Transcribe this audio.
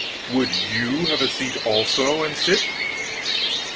"Would you have a seat also and sit?"